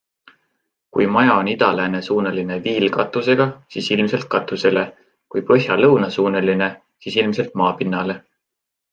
Kui maja on ida-lääne suunaline viilaktusega, siis ilmselt katusele, kui põhja-lõunasuunaline, siis ilmselt maapinnale.